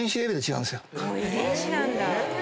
遺伝子なんだ！